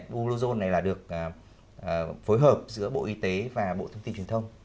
bluezone này là được phối hợp giữa bộ y tế và bộ thông tin truyền thông